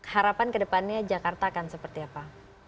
harapan ke depannya jakarta akan seperti apa